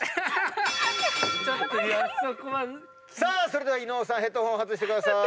それでは伊野尾さんヘッドホンを外してください。